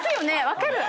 ⁉分かる！